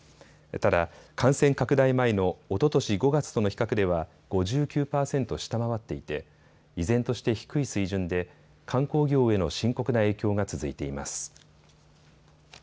ただ感染拡大前のおととし５月との比較では５９％下回っていて依然として低い水準で観光業への深刻な影響が続いています。